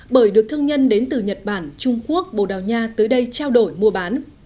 bởi được thương nhân đến từ nhật bản trung quốc bồ đào nha tới đây trao đổi mua bán